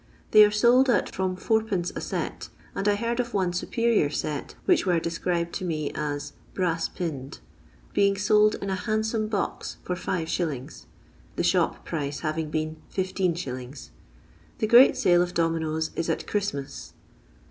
They are sold at from id. a set, and I heard of one superior set which were described to me as " brass pinned," being sold in a handsome box for 5s., the shop price having been 15s. The great sale of dominoes is at Christmas.